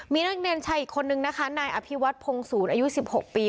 มีนักเรียนชายอีกคนนึงนะคะนายอภิวัตพงศูนอายุ๑๖ปี